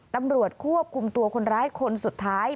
ตำรวจควบคุมตัวคนร้ายคนสุดท้าย